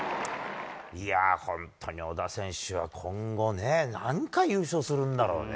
いや、本当に小田選手は今後ね、何回優勝するんだろうね。